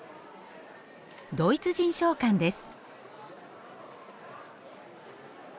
ドイツ人商館です。